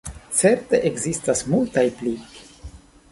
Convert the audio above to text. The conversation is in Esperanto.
Certe ekzistas multaj pli.